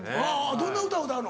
どんな歌歌うの？